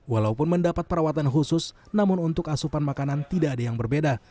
walaupun mendapat perawatan khusus namun untuk asupan makanan tidak ada yang berbeda